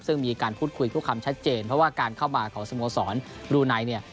ซึ่งมีการพูดคุยทุกคำชัดเจนเพราะว่าการเข้ามาของสโมสรบรูไนเนี่ย